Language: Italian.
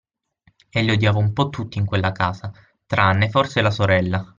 Egli odiava un po' tutti in quella casa, tranne forse la sorella.